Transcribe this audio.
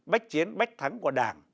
bách chiến bách thắng của đảng